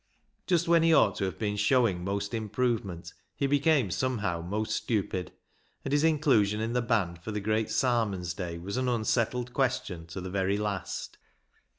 Just when he ought to have been showing most improvement he became somehow most stupid, and his inclusion in the band for the great " Sarmons " day was an unsettled question to the very last.